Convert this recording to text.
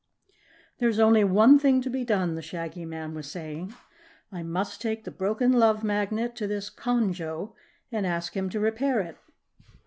"There is only one thing to be done," the Shaggy Man was saying. "I must take the broken Love Magnet to this Conjo and ask him to repair it."